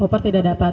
koper tidak dapat